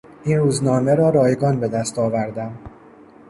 این روزنامه را رایگان به دست آوردم.